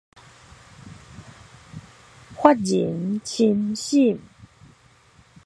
發人深省